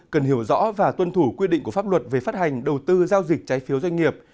cần hiểu rõ và tuân thủ quy định của pháp luật về phát hành đầu tư giao dịch trái phiếu doanh nghiệp